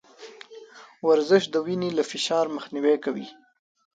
ورزش د وينې له فشار مخنيوی کوي.